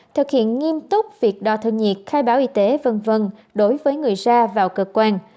thực hiện nghiêm túc việc đo thân nhiệt khai báo y tế v v đối với người ra vào cơ quan